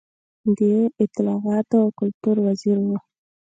دی د اطلاعاتو او کلتور وزیر و.